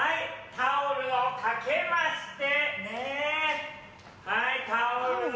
タオルを掛けまして。